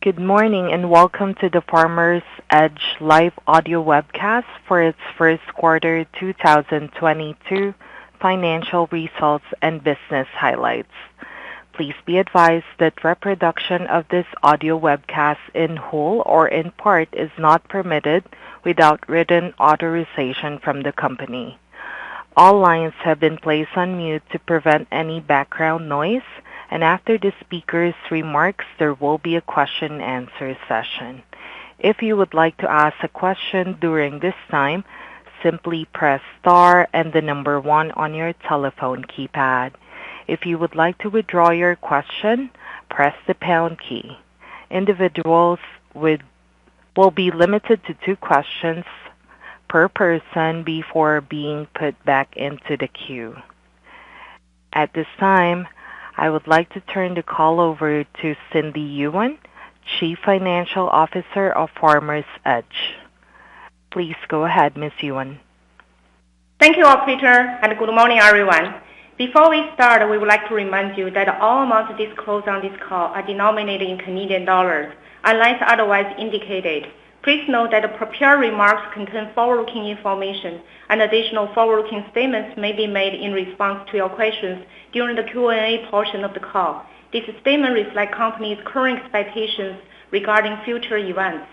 Good morning, and welcome to the Farmers Edge Live Audio Webcast for its First Quarter 2022 Financial Results and Business Highlights. Please be advised that reproduction of this audio webcast in whole or in part is not permitted without written authorization from the company. All lines have been placed on mute to prevent any background noise. After the speaker's remarks, there will be a question and answer session. If you would like to ask a question during this time, simply press star and the number one on your telephone keypad. If you would like to withdraw your question, press the pound key. Individuals will be limited to two questions per person before being put back into the queue. At this time, I would like to turn the call over to Cindy Yuan, Chief Financial Officer of Farmers Edge. Please go ahead, Ms. Yuan. Thank you, operator, and good morning, everyone. Before we start, we would like to remind you that all amounts disclosed on this call are denominated in Canadian dollars unless otherwise indicated. Please note that the prepared remarks contain forward-looking information and additional forward-looking statements may be made in response to your questions during the Q&A portion of the call. These statements reflect company's current expectations regarding future events.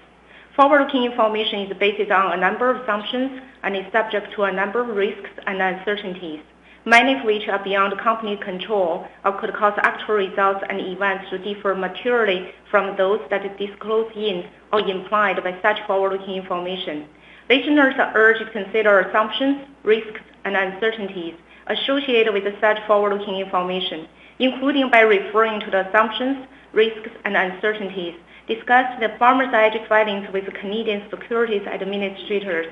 Forward-looking information is based on a number of assumptions and is subject to a number of risks and uncertainties, many of which are beyond the company's control or could cause actual results and events to differ materially from those that are disclosed in or implied by such forward-looking information. Listeners are urged to consider assumptions, risks, and uncertainties associated with such forward-looking information, including by referring to the assumptions, risks, and uncertainties discussed in the Farmers Edge filings with the Canadian Securities Administrators.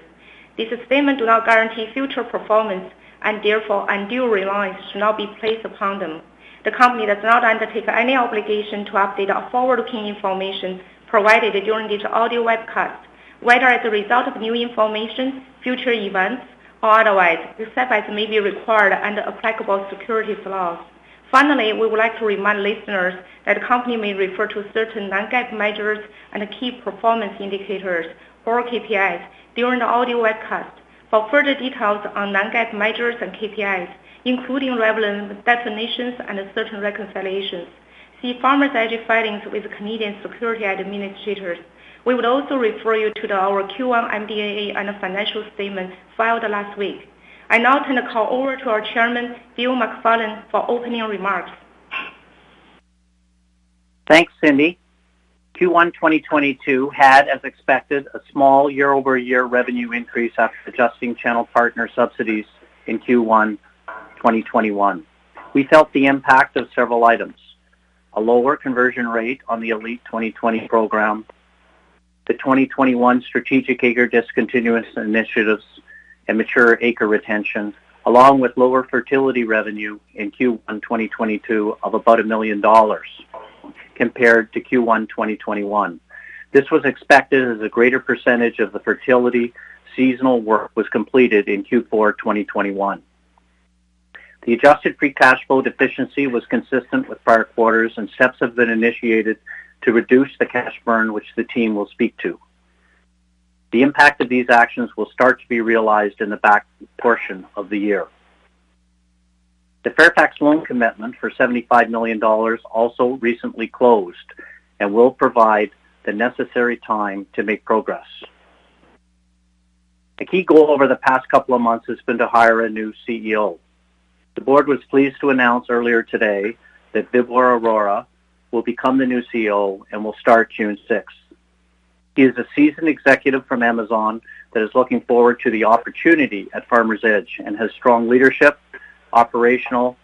These statements do not guarantee future performance, and therefore undue reliance should not be placed upon them. The company does not undertake any obligation to update our forward-looking information provided during this audio webcast, whether as a result of new information, future events, or otherwise, except as may be required under applicable securities laws. Finally, we would like to remind listeners that the company may refer to certain non-GAAP measures and key performance indicators or KPIs during the audio webcast. For further details on non-GAAP measures and KPIs, including relevant definitions and certain reconciliations, see Farmers Edge filings with the Canadian Securities Administrators. We would also refer you to our Q1 MD&A and financial statements filed last week. I now turn the call over to our Chairman, Bill McFarland, for opening remarks. Thanks, Cindy. Q1 2022 had, as expected, a small year-over-year revenue increase after adjusting channel partner subsidies in Q1 2021. We felt the impact of several items, a lower conversion rate on the Elite 2020 program, the 2021 strategic acre discontinuance initiatives, and mature acre retention, along with lower fertility revenue in Q1 2022 of about 1 million dollars compared to Q1 2021. This was expected as a greater percentage of the fertility seasonal work was completed in Q4 2021. The adjusted free cash flow deficiency was consistent with prior quarters, and steps have been initiated to reduce the cash burn, which the team will speak to. The impact of these actions will start to be realized in the back portion of the year. The Fairfax loan commitment for CAD 75 million also recently closed and will provide the necessary time to make progress. A key goal over the past couple of months has been to hire a new CEO. The board was pleased to announce earlier today that Vibhore Arora will become the new CEO and will start June 6. He is a seasoned executive from Amazon that is looking forward to the opportunity at Farmers Edge and has strong leadership, operational,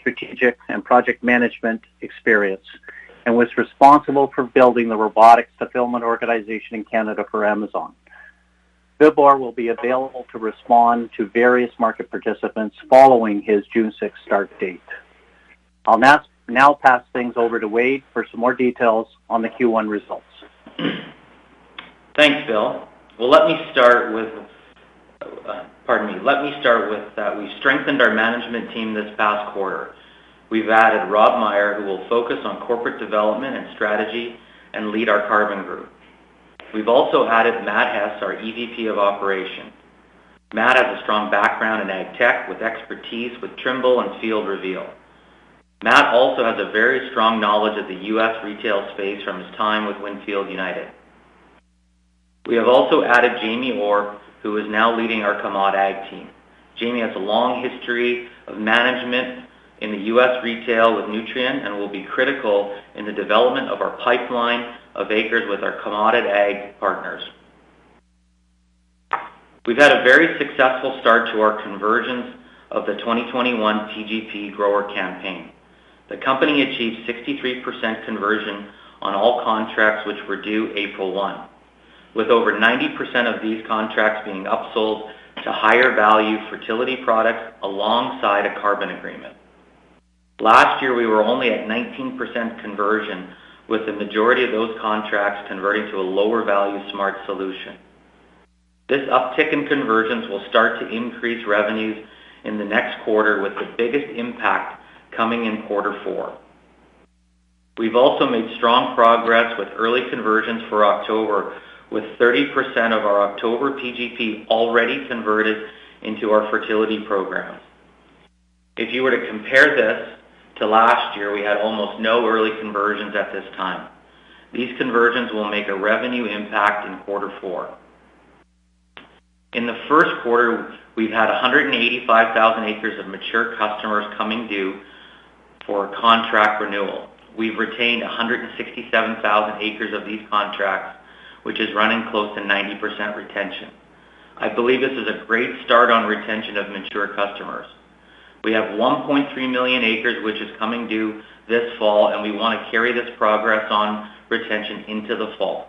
strategic, and project management experience, and was responsible for building the robotics fulfillment organization in Canada for Amazon. Vibhore Arora will be available to respond to various market participants following his June 6 start date. I'll now pass things over to Wade for some more details on the Q1 results. Thanks, Bill. Let me start with that we strengthened our management team this past quarter. We've added Rob Meijer, who will focus on corporate development and strategy and lead our carbon group. We've also added Matt Hesse, our EVP of Operations. Matt has a strong background in ag tech with expertise with Trimble and FieldReveal. Matt also has a very strong knowledge of the U.S. retail space from his time with WinField United. We have also added Jamie Orr, who is now leading our CommoditAg team. Jamie has a long history of management in the U.S. retail with Nutrien and will be critical in the development of our pipeline of acres with our CommoditAg partners. We've had a very successful start to our conversions of the 2021 PGP grower campaign. The company achieved 63% conversion on all contracts which were due April 1, with over 90% of these contracts being upsold to higher value fertility products alongside a carbon agreement. Last year, we were only at 19% conversion, with the majority of those contracts converting to a lower value Smart Solution. This uptick in conversions will start to increase revenues in the next quarter, with the biggest impact coming in quarter four. We've also made strong progress with early conversions for October, with 30% of our October PGP already converted into our fertility programs. If you were to compare this to last year, we had almost no early conversions at this time. These conversions will make a revenue impact in quarter four. In the first quarter, we've had 185,000 acres of mature customers coming due for contract renewal. We've retained 167,000 acres of these contracts, which is running close to 90% retention. I believe this is a great start on retention of mature customers. We have 1.3 million acres, which is coming due this fall, and we want to carry this progress on retention into the fall.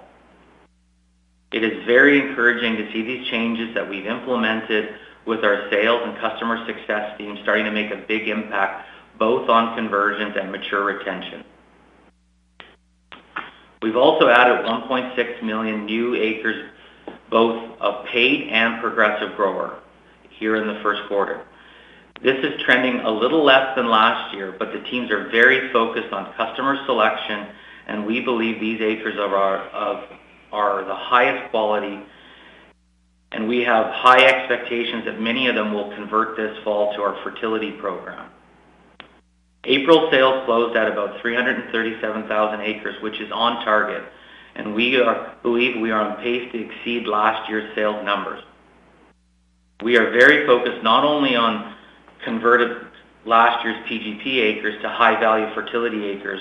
It is very encouraging to see these changes that we've implemented with our sales and customer success team starting to make a big impact both on conversions and mature retention. We've also added 1.6 million new acres, both of paid and Progressive Grower here in the first quarter. This is trending a little less than last year, but the teams are very focused on customer selection, and we believe these acres of ours are the highest quality, and we have high expectations that many of them will convert this fall to our fertility program. April sales closed at about 337,000 acres, which is on target, and believe we are on pace to exceed last year's sales numbers. We are very focused not only on converting last year's PGP acres to high-value fertility acres,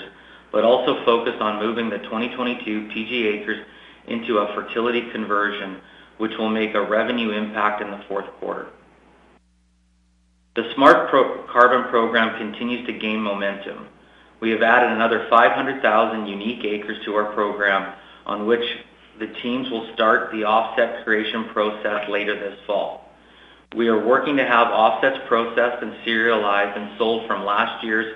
but also focused on moving the 2022 PGP acres into a fertility conversion, which will make a revenue impact in the fourth quarter. The Smart Carbon program continues to gain momentum. We have added another 500,000 unique acres to our program on which the teams will start the offset creation process later this fall. We are working to have offsets processed and serialized and sold from last year's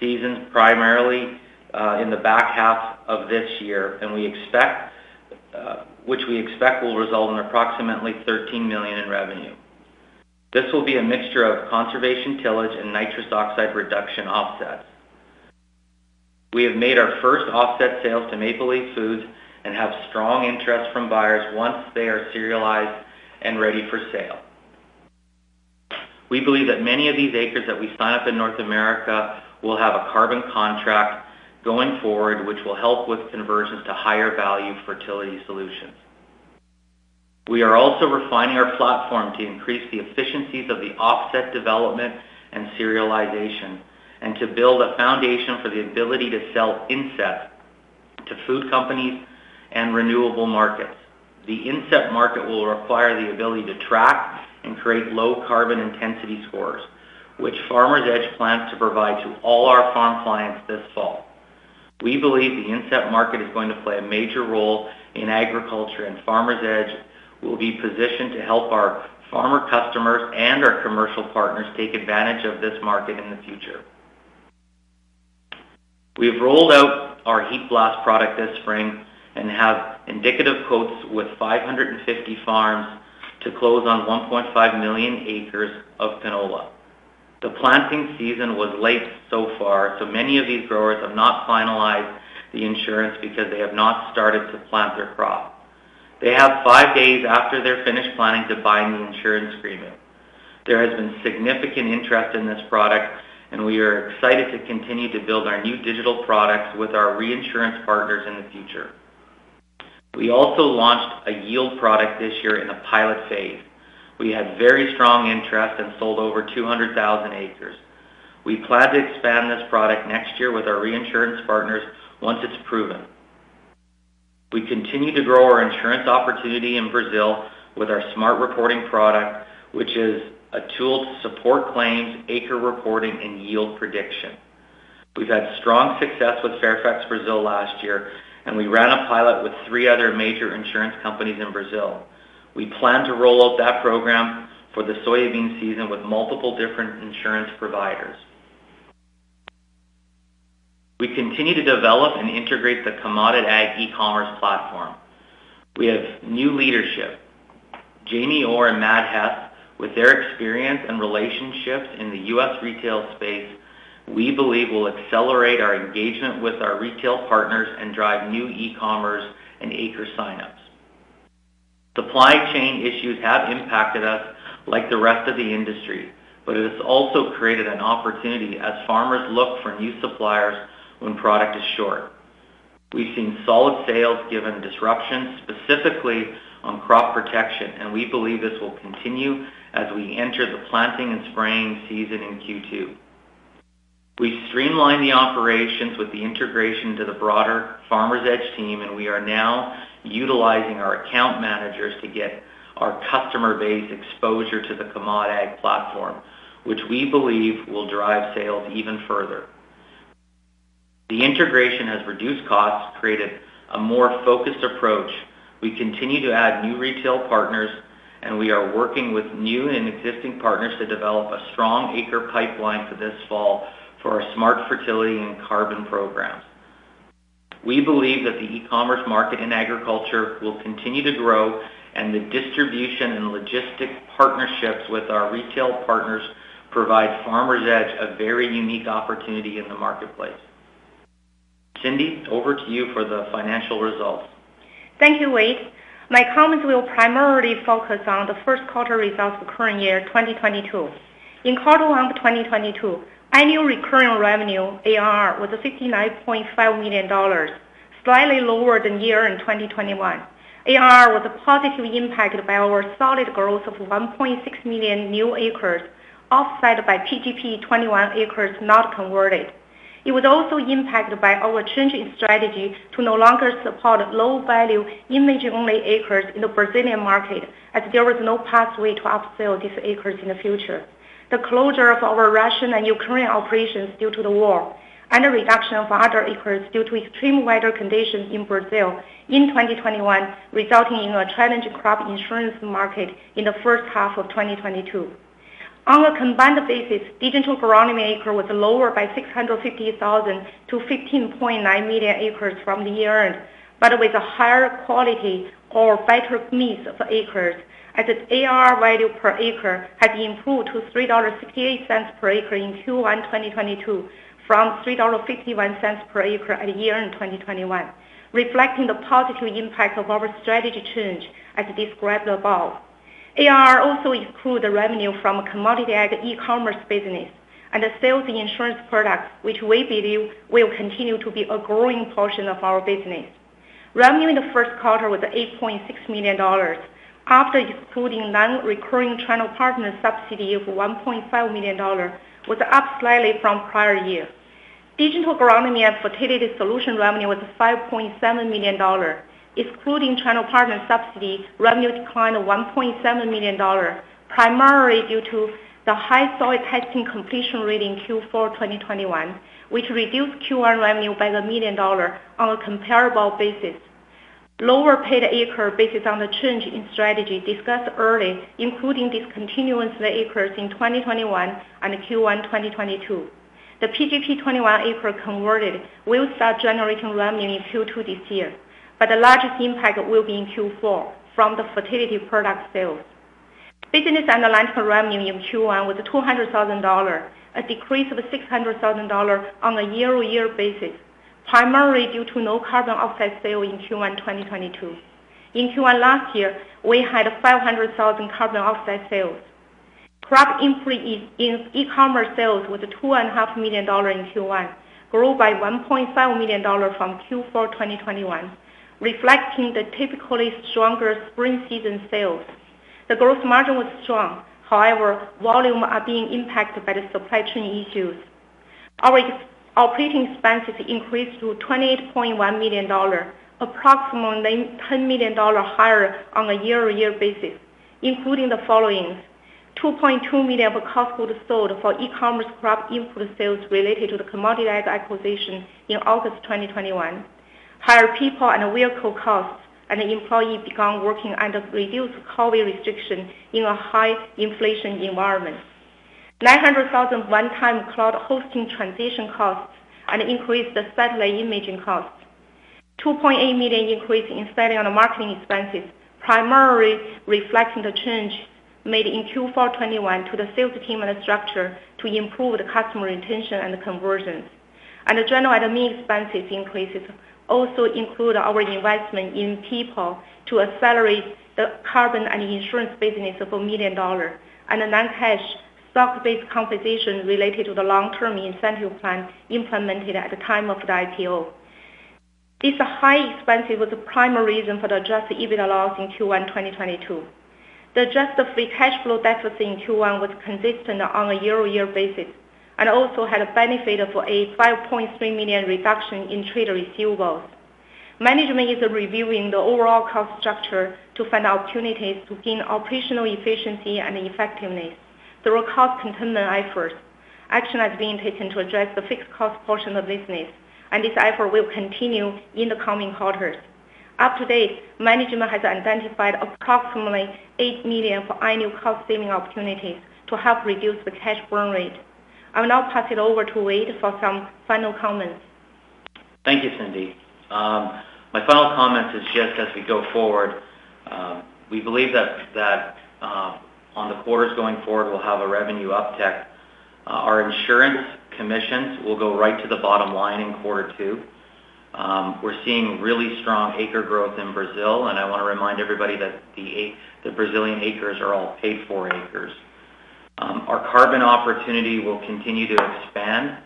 season, primarily, in the back half of this year, which we expect will result in approximately 13 million in revenue. This will be a mixture of conservation tillage and nitrous oxide reduction offsets. We have made our first offset sales to Maple Leaf Foods and have strong interest from buyers once they are serialized and ready for sale. We believe that many of these acres that we sign up in North America will have a carbon contract going forward, which will help with conversions to higher-value fertility solutions. We are also refining our platform to increase the efficiencies of the offset development and serialization and to build a foundation for the ability to sell insets to food companies and renewable markets. The inset market will require the ability to track and create low carbon intensity scores, which Farmers Edge plans to provide to all our farm clients this fall. We believe the inset market is going to play a major role in agriculture, and Farmers Edge will be positioned to help our farmer customers and our commercial partners take advantage of this market in the future. We have rolled out our Heat Blast product this spring and have indicative quotes with 550 farms to close on 1.5 million acres of canola. The planting season was late so far, so many of these growers have not finalized the insurance because they have not started to plant their crop. They have five days after they're finished planting to buy the insurance premium. There has been significant interest in this product, and we are excited to continue to build our new digital products with our reinsurance partners in the future. We also launched a yield product this year in a pilot phase. We had very strong interest and sold over 200,000 acres. We plan to expand this product next year with our reinsurance partners once it's proven. We continue to grow our insurance opportunity in Brazil with our Smart Reporting product, which is a tool to support claims, acre reporting, and yield prediction. We've had strong success with Fairfax Brasil last year, and we ran a pilot with three other major insurance companies in Brazil. We plan to roll out that program for the soybean season with multiple different insurance providers. We continue to develop and integrate the CommoditAg e-commerce platform. We have new leadership. Jamie Orr and Matt Hesse, with their experience and relationships in the U.S. retail space, we believe will accelerate our engagement with our retail partners and drive new e-commerce and acre sign-ups. Supply chain issues have impacted us like the rest of the industry, but it has also created an opportunity as farmers look for new suppliers when product is short. We've seen solid sales given disruptions, specifically on crop protection, and we believe this will continue as we enter the planting and spraying season in Q2. We streamlined the operations with the integration to the broader Farmers Edge team, and we are now utilizing our account managers to get our customer base exposure to the CommoditAg platform, which we believe will drive sales even further. The integration has reduced costs, created a more focused approach. We continue to add new retail partners, and we are working with new and existing partners to develop a strong acre pipeline for this fall for our Smart Fertility and carbon programs. We believe that the e-commerce market in agriculture will continue to grow, and the distribution and logistics partnerships with our retail partners provide Farmers Edge a very unique opportunity in the marketplace. Cindy, over to you for the financial results. Thank you, Wade. My comments will primarily focus on the first quarter results for current year 2022. In quarter one of 2022, annual recurring revenue, ARR, was 59.5 million dollars, slightly lower than year-end 2021. ARR was positively impacted by our solid growth of 1.6 million new acres, offset by PGP 21 acres not converted. It was also impacted by our changing strategy to no longer support low-value imaging only acres in the Brazilian market, as there was no pathway to upsell these acres in the future. The closure of our Russian and Ukrainian operations due to the war, and a reduction of other acres due to extreme weather conditions in Brazil in 2021, resulting in a challenging crop insurance market in the first half of 2022. On a combined basis, Digital Agronomy acres were lower by 650,000 to 15.9 million acres from year-end, but with a higher quality or better mix of acres as its ARR value per acre had improved to 3.68 dollars per acre in Q1 2022, from 3.51 dollar per acre at year-end 2021, reflecting the positive impact of our strategy change, as described above. ARR also includes the revenue from CommoditAg e-commerce business and the sales and insurance products, which we believe will continue to be a growing portion of our business. Revenue in the first quarter was 8.6 million dollars. After excluding non-recurring channel partner subsidy of 1.5 million dollars, was up slightly from prior year. Digital Agronomy and fertility solution revenue was 5.7 million dollar. Excluding channel partner subsidy, revenue declined to 1.7 million dollar, primarily due to the high soil testing completion rate in Q4 2021, which reduced Q1 revenue by 1 million dollars on a comparable basis. Lower paid acre based on the change in strategy discussed earlier, including discontinuance of the acres in 2021 and Q1 2022. The PGP 2021 acre converted will start generating revenue in Q2 this year, but the largest impact will be in Q4 from the fertility product sales. Business and licensing revenue in Q1 was 200,000 dollars, a decrease of 600,000 dollars on a year-over-year basis, primarily due to no carbon offset sale in Q1 2022. In Q1 last year, we had 500,000 carbon offset sales. Crop input e-commerce sales was 2.5 million dollars in Q1, grew by 1.5 million dollars from Q4 2021, reflecting the typically stronger spring season sales. The gross margin was strong. However, volumes are being impacted by the supply chain issues. Our operating expenses increased to 28.1 million dollars, approximately 10 million dollars higher on a year-over-year basis, including the following 2.2 million of cost of goods sold for e-commerce crop input sales related to the CommoditAg acquisition in August 2021. Higher people and vehicle costs, and employees began working under reduced COVID restrictions in a high inflation environment. 900,000 one-time cloud hosting transition costs and increased satellite imaging costs. 2.8 million increase in spending on marketing expenses, primarily reflecting the change made in Q4 2021 to the sales team and the structure to improve the customer retention and conversions. The general and admin expenses increases also include our investment in people to accelerate the carbon and insurance business of 1 million dollars, and a non-cash stock-based compensation related to the long-term incentive plan implemented at the time of the IPO. These high expenses was the primary reason for the adjusted EBITDA loss in Q1 2022. The adjusted free cash flow deficit in Q1 was consistent on a year-over-year basis, and also had benefited from a 5.3 million reduction in trade receivables. Management is reviewing the overall cost structure to find opportunities to gain operational efficiency and effectiveness through cost containment efforts. Action has been taken to address the fixed cost portion of the business, and this effort will continue in the coming quarters. To date, management has identified approximately 8 million for annual cost-saving opportunities to help reduce the cash burn rate. I will now pass it over to Wade for some final comments. Thank you, Cindy. My final comment is just as we go forward, we believe that on the quarters going forward, we'll have a revenue uptick. Our insurance commissions will go right to the bottom line in quarter 2. We're seeing really strong acre growth in Brazil, and I wanna remind everybody that the Brazilian acres are all paid for acres. Our carbon opportunity will continue to expand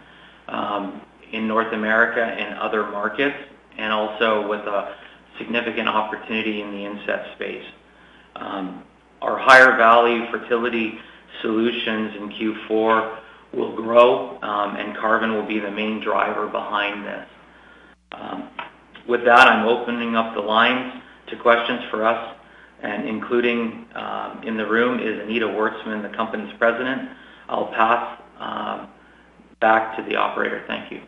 in North America and other markets, and also with a significant opportunity in the inset space. Our higher value fertility solutions in Q4 will grow, and carbon will be the main driver behind this. With that, I'm opening up the lines to questions for us and including in the room is Anita Wortzman, the company's President. I'll pass back to the operator. Thank you.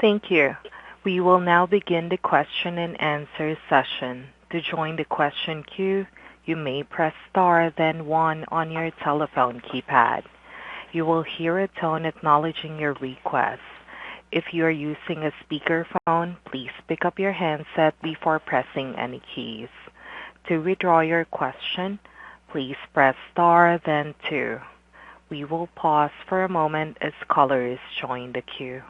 Thank you. We will now begin the question-and-answer session. To join the question queue, you may press star then one on your telephone keypad. You will hear a tone acknowledging your request. If you are using a speaker phone, please pick up your handset before pressing any keys. To withdraw your question, please press star then two. We will pause for a moment as callers join the queue.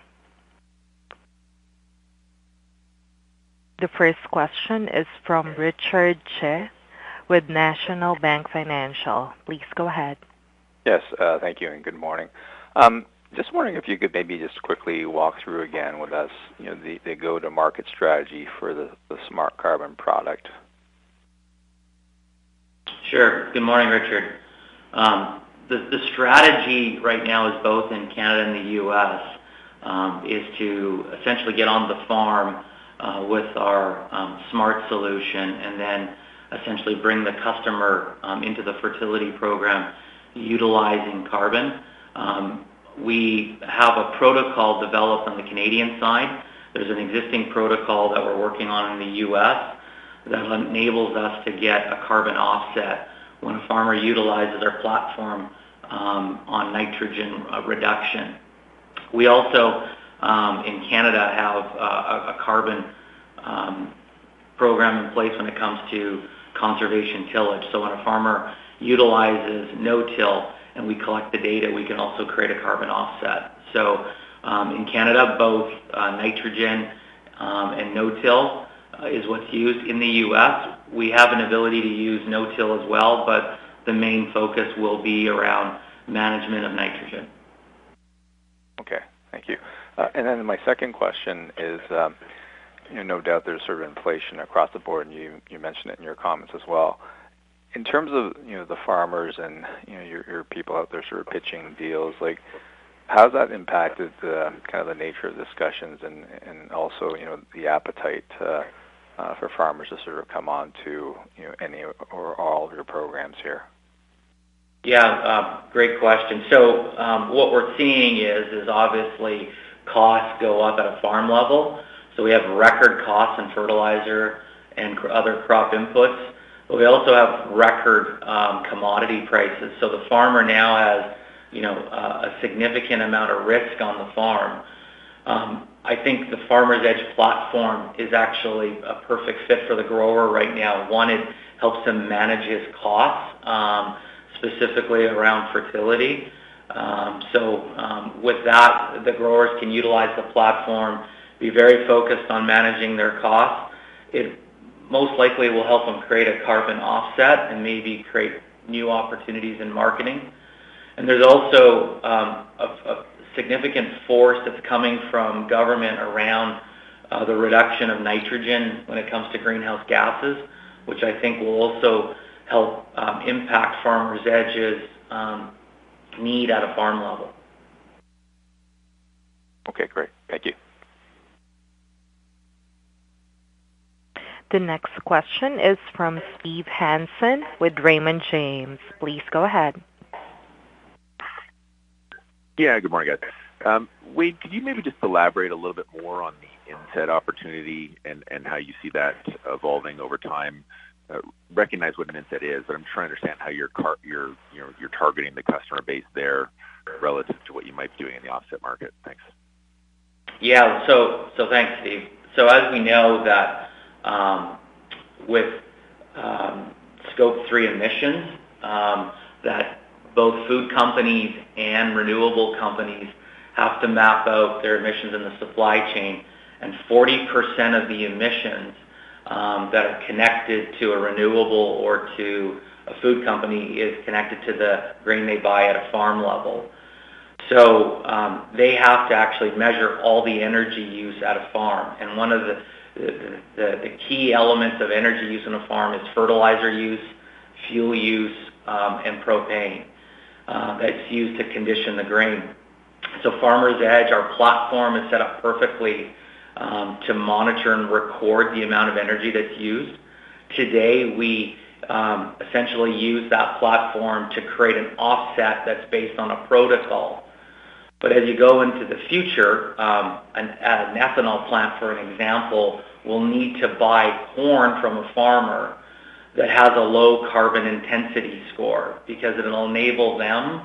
The first question is from Richard Tse with National Bank Financial. Please go ahead. Yes, thank you and good morning. Just wondering if you could maybe just quickly walk through again with us, you know, the go-to-market strategy for the Smart Carbon product? Sure. Good morning, Richard. The strategy right now is both in Canada and the U.S., is to essentially get on the farm with our Smart Solution and then essentially bring the customer into the fertility program utilizing carbon. We have a protocol developed on the Canadian side. There's an existing protocol that we're working on in the U.S., that enables us to get a carbon offset when a farmer utilizes our platform on nitrogen reduction. We also in Canada have a carbon program in place when it comes to conservation tillage. When a farmer utilizes no-till and we collect the data, we can also create a carbon offset. In Canada, both nitrogen and no-till is what's used. In the U.S., we have an ability to use no-till as well, but the main focus will be around management of nitrogen. Okay. Thank you. My second question is, you know, no doubt there's sort of inflation across the board. You mentioned it in your comments as well. In terms of, you know, the farmers and, you know, your people out there sort of pitching deals, like how has that impacted the, kind of the nature of discussions and also, you know, the appetite for farmers to sort of come on to, you know, any or all of your programs here? Yeah, great question. What we're seeing is obviously costs go up at a farm level. We have record costs in fertilizer and other crop inputs. We also have record commodity prices. The farmer now has, you know, a significant amount of risk on the farm. I think the Farmers Edge platform is actually a perfect fit for the grower right now. One, it helps him manage his costs, specifically around fertility. With that, the growers can utilize the platform, be very focused on managing their costs. It most likely will help them create a carbon offset and maybe create new opportunities in marketing. There's also a significant force that's coming from government around the reduction of nitrogen when it comes to greenhouse gases, which I think will also help impact Farmers Edge's need at a farm level. Okay, great. Thank you. The next question is from Steve Hansen with Raymond James. Please go ahead. Yeah, good morning, guys. Wade, could you maybe just elaborate a little bit more on the inset opportunity and how you see that evolving over time? Recognize what an inset is, but I'm trying to understand how you're, you know, you're targeting the customer base there relative to what you might be doing in the offset market. Thanks. Thanks, Steve. As we know that with Scope 3 emissions, that both food companies and renewable companies have to map out their emissions in the supply chain, and 40% of the emissions that are connected to a renewable or to a food company is connected to the grain they buy at a farm level. They have to actually measure all the energy used at a farm. One of the key elements of energy used on a farm is fertilizer use, fuel use, and propane that's used to condition the grain. Farmers Edge, our platform is set up perfectly to monitor and record the amount of energy that's used. Today, we essentially use that platform to create an offset that's based on a protocol. As you go into the future, an ethanol plant, for an example, will need to buy corn from a farmer that has a low carbon intensity score because it'll enable them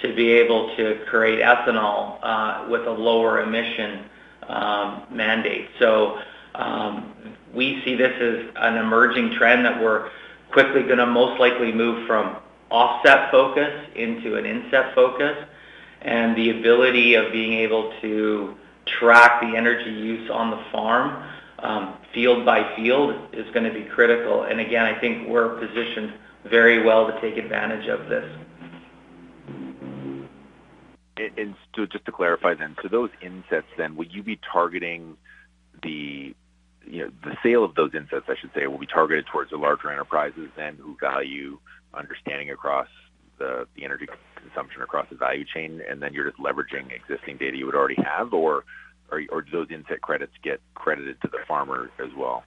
to be able to create ethanol with a lower emission mandate. We see this as an emerging trend that we're quickly gonna most likely move from offset focus into an inset focus, and the ability of being able to track the energy use on the farm, field by field is gonna be critical. I think we're positioned very well to take advantage of this. Just to clarify then, those insets then, will you be targeting the sale of those insets, I should say, will be targeted towards the larger enterprises then who value understanding across the energy consumption across the value chain, and then you're just leveraging existing data you would already have? Or do those inset credits get credited to the farmer as well?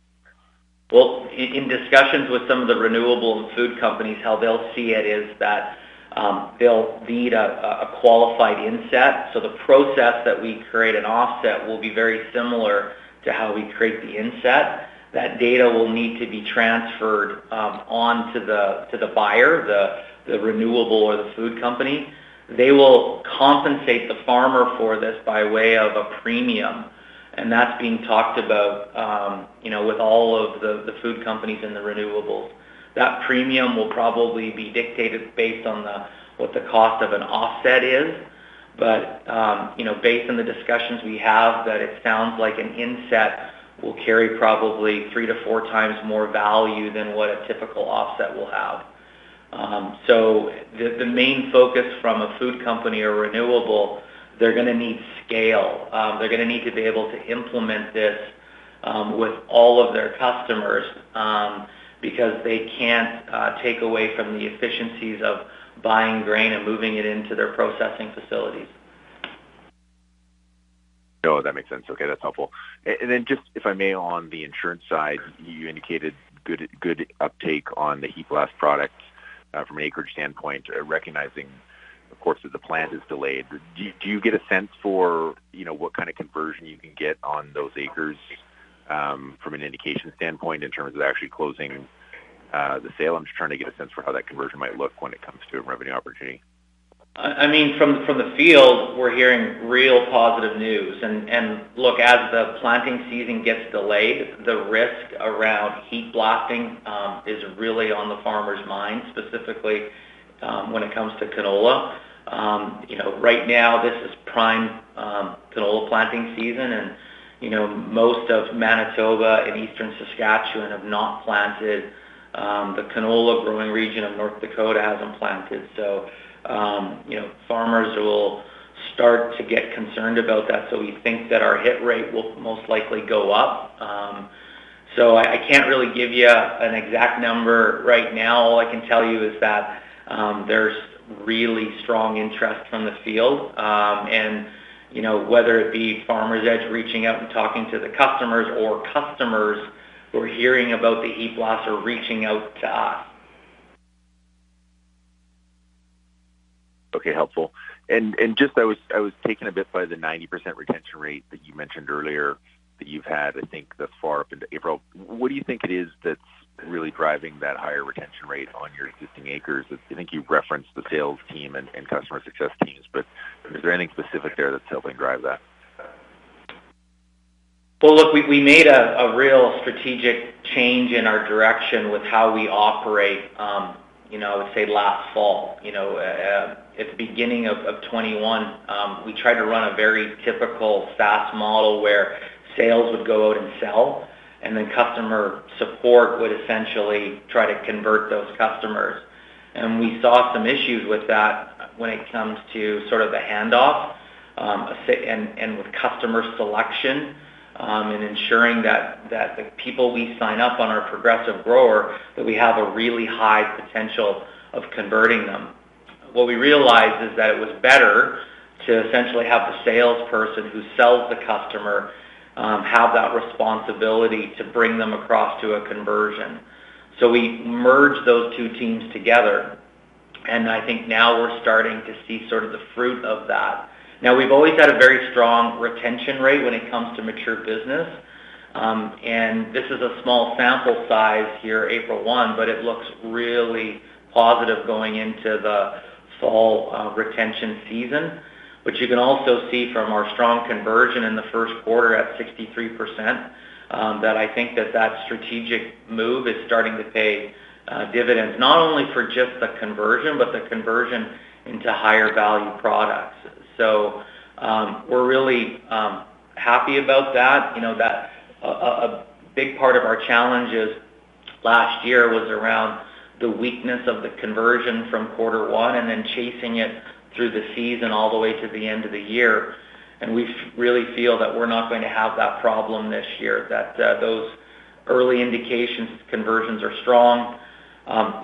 Well, in discussions with some of the renewable and food companies, how they'll see it is that they'll need a qualified inset. The process that we create an offset will be very similar to how we create the inset. That data will need to be transferred on to the buyer, the renewable or the food company. They will compensate the farmer for this by way of a premium, and that's being talked about, you know, with all of the food companies and the renewables. That premium will probably be dictated based on what the cost of an offset is. You know, based on the discussions we have, it sounds like an inset will carry probably three to four times more value than what a typical offset will have. The main focus from a food company or renewable, they're gonna need scale. They're gonna need to be able to implement this with all of their customers because they can't take away from the efficiencies of buying grain and moving it into their processing facilities. No, that makes sense. Okay, that's helpful. And then just if I may, on the insurance side, you indicated good uptake on the Heat Blast product, from an acreage standpoint, recognizing of course that the planting is delayed. Do you get a sense for, you know, what kind of conversion you can get on those acres, from an indication standpoint in terms of actually closing the sale? I'm just trying to get a sense for how that conversion might look when it comes to a revenue opportunity. I mean, from the field, we're hearing real positive news. Look, as the planting season gets delayed, the risk around heat blasting is really on the farmer's mind, specifically when it comes to canola. You know, right now this is prime canola planting season and most of Manitoba and Eastern Saskatchewan have not planted. The canola growing region of North Dakota hasn't planted. Farmers will start to get concerned about that, so we think that our hit rate will most likely go up. I can't really give you an exact number right now. All I can tell you is that there's really strong interest from the field. You know, whether it be Farmers Edge reaching out and talking to the customers or customers who are hearing about the heat blasts are reaching out to us. Okay, helpful. Just I was taken a bit by the 90% retention rate that you mentioned earlier that you've had, I think, thus far up into April. What do you think it is that's really driving that higher retention rate on your existing acres? I think you've referenced the sales team and customer success teams, but is there anything specific there that's helping drive that? Well, look, we made a real strategic change in our direction with how we operate, you know, say last fall. You know, at the beginning of 2021, we tried to run a very typical SaaS model where sales would go out and sell, and then customer support would essentially try to convert those customers. We saw some issues with that when it comes to sort of the handoff, and with customer selection, and ensuring that the people we sign up on our Progressive Grower, that we have a really high potential of converting them. What we realized is that it was better to essentially have the salesperson who sells the customer, have that responsibility to bring them across to a conversion. We merged those two teams together, and I think now we're starting to see sort of the fruit of that. Now we've always had a very strong retention rate when it comes to mature business. This is a small sample size here, April 1, but it looks really positive going into the fall, retention season. Which you can also see from our strong conversion in the first quarter at 63%, that I think that strategic move is starting to pay dividends, not only for just the conversion, but the conversion into higher value products. We're really happy about that. You know, that a big part of our challenges last year was around the weakness of the conversion from quarter one and then chasing it through the season all the way to the end of the year. We really feel that we're not going to have that problem this year, that those early indications conversions are strong.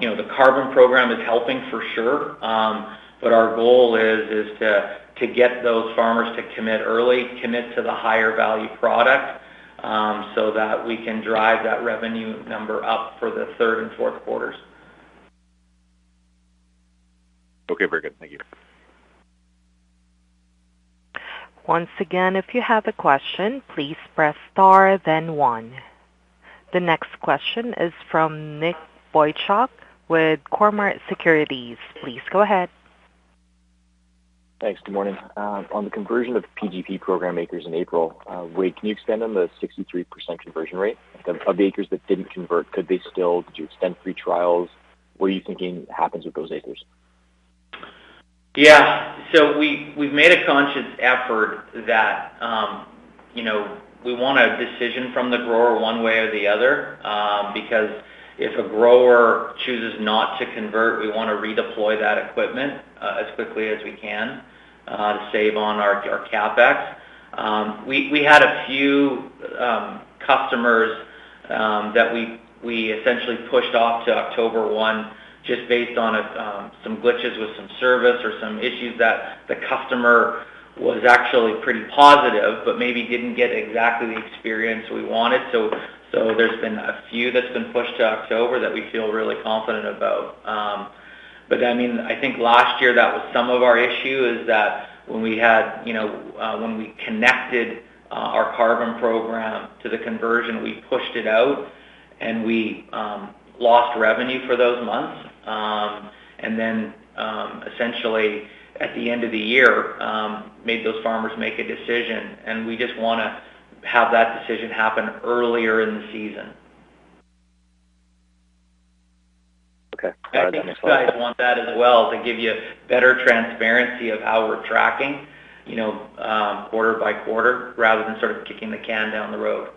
You know, the carbon program is helping for sure. Our goal is to get those farmers to commit early, commit to the higher value product, so that we can drive that revenue number up for the third and fourth quarters. Okay. Very good. Thank you. Once again, if you have a question, please press star then one. The next question is from Nick Boychuk with Cormark Securities. Please go ahead. Thanks. Good morning. On the conversion of PGP program acres in April, Wade, can you expand on the 63% conversion rate of the acres that didn't convert? Could they still? Did you extend free trials? What are you thinking happens with those acres? Yeah. We've made a conscious effort that we want a decision from the grower one way or the other, because if a grower chooses not to convert, we wanna redeploy that equipment as quickly as we can to save on our CapEx. We had a few customers that we essentially pushed off to October 1 just based on some glitches with some service or some issues that the customer was actually pretty positive, but maybe didn't get exactly the experience we wanted. There's been a few that's been pushed to October that we feel really confident about. I mean, I think last year that was some of our issue is that when we had, you know, when we connected our carbon program to the conversion, we pushed it out, and we lost revenue for those months. Then, essentially at the end of the year, we made those farmers make a decision, and we just wanna have that decision happen earlier in the season. Okay. I think you guys want that as well to give you better transparency of how we're tracking, you know, quarter by quarter, rather than sort of kicking the can down the road.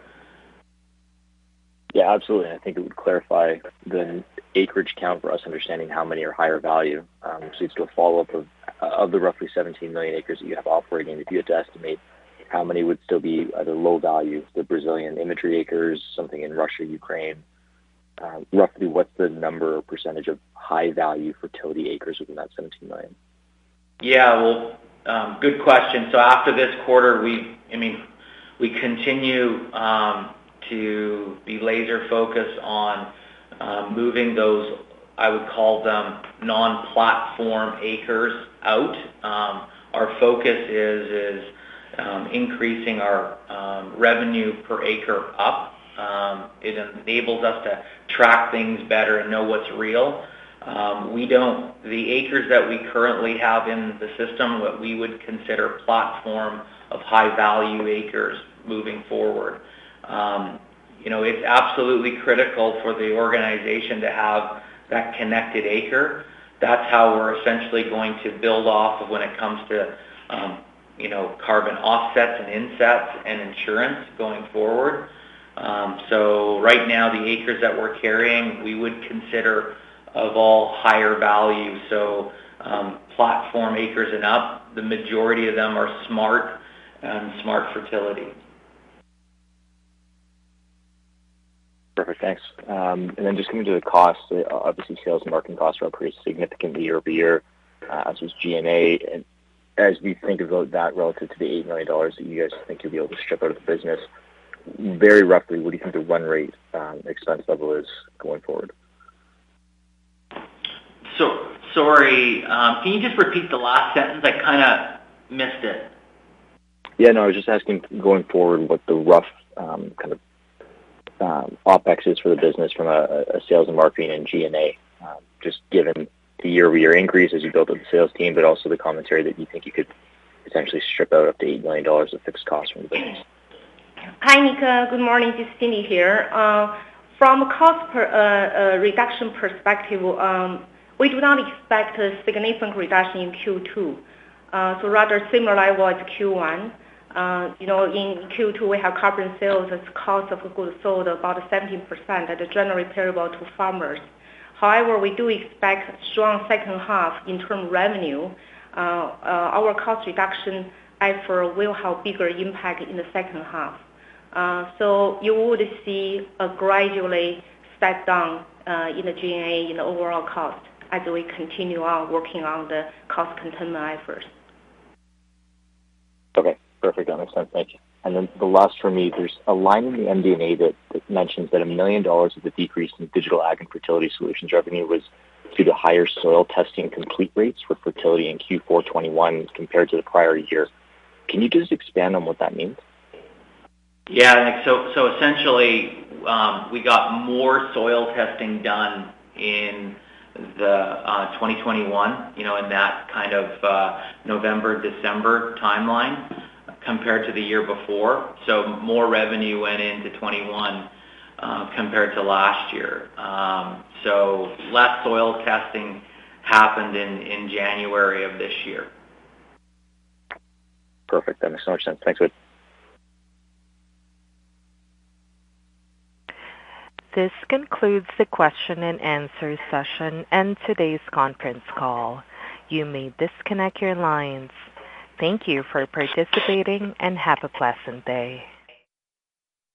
Yeah, absolutely. I think it would clarify the acreage count for us understanding how many are higher value. Just a follow-up of the roughly 17 million acres that you have operating, if you had to estimate how many would still be at a low value, the Brazilian imagery acres, something in Russia, Ukraine, roughly, what's the number or percentage of high value fertility acres within that 17 million acres? Yeah. Well, good question. After this quarter, I mean, we continue to be laser focused on moving those, I would call them, non-platform acres out. Our focus is increasing our revenue per acre up. It enables us to track things better and know what's real. The acres that we currently have in the system, what we would consider platform of high value acres moving forward. You know, it's absolutely critical for the organization to have that connected acre. That's how we're essentially going to build off of when it comes to, you know, carbon offsets and insets and insurance going forward. Right now, the acres that we're carrying, we would consider of all higher value. Platform acres and up, the majority of them are Smart Fertility. Perfect. Thanks. Just coming to the cost, obviously, sales and marketing costs are up pretty significantly year-over-year, as was G&A. As we think about that relative to the 80 million dollars that you guys think you'll be able to strip out of the business, very roughly, what do you think the run rate expense level is going forward? Sorry, can you just repeat the last sentence? I kinda missed it. Yeah, no, I was just asking going forward what the rough, kind of, OpEx is for the business from a sales and marketing and G&A, just given the year-over-year increase as you build up the sales team, but also the commentary that you think you could potentially strip out up to 80 million dollars of fixed costs from the business. Hi, Nick. Good morning. This is Cindy here. From a cost reduction perspective, we do not expect a significant reduction in Q2. Rather similar to Q1. You know, in Q2, we have carbon sales as cost of goods sold about 17%, and they're generally terrible to farmers. However, we do expect strong second half interim revenue. Our cost reduction effort will have bigger impact in the second half. You would see a gradual step down in the G&A in the overall cost as we continue working on the cost containment efforts. Okay. Perfect. That makes sense. Thank you. The last for me, there's a line in the MD&A that mentions that 1 million dollars of the decrease in digital ag and fertility solutions revenue was due to higher soil testing completion rates for fertility in Q4 2021 compared to the prior year. Can you just expand on what that means? Essentially, we got more soil testing done in 2021, you know, in that kind of November, December timeline compared to the year before. More revenue went into 2021 compared to last year. Less soil testing happened in January of this year. Perfect. That makes so much sense. Thanks. Good. This concludes the question and answer session and today's conference call. You may disconnect your lines. Thank you for participating, and have a pleasant day.